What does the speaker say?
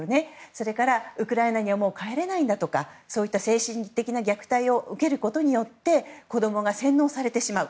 それから、ウクライナにはもう帰れないんだとかそういった精神的な虐待を受けることによって子供が洗脳されてしまう。